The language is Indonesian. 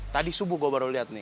tadi subuh gua baru liat nih